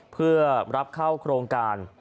เพื่อรับเข้าโครงการ